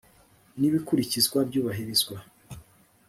n ibikurikizwa byubahirizwa